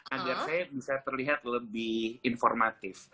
agar saya bisa terlihat lebih informatif